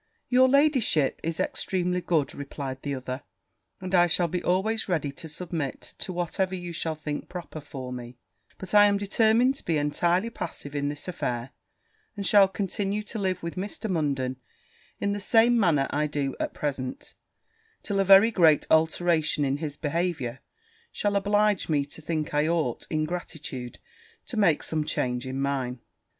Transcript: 'Your ladyship is extremely good,' replied the other; 'and I shall be always ready to submit to whatever you shall think proper for me: but I am determined to be entirely passive in this affair, and shall continue to live with Mr. Munden in the same manner I do at present, till a very great alteration in his behaviour shall oblige me to think I ought, in gratitude, to make some change in mine.'